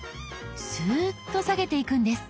スーッと下げていくんです。